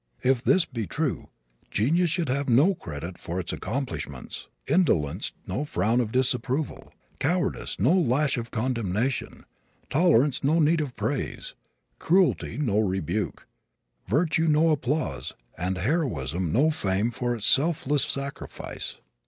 If this be true, genius should have no credit for its accomplishments, indolence no frown of disapproval, cowardice no lash of condemnation, tolerance no need of praise, cruelty no rebuke, virtue no applause and heroism no fame for its selfless sacrifice.